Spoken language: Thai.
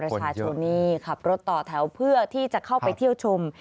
คนเยอะค่ะรถต่อแถวเพื่อที่จะเข้าไปเที่ยวชม